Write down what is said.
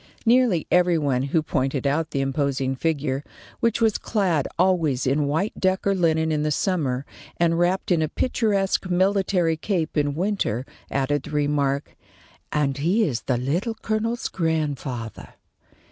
Nearly every one who pointed out the imposing figure, which was clad always in white duck or linen in the summer, and wrapped in a picturesque military cape in winter, added the remark: "And he is the Little Colonel's grandfather."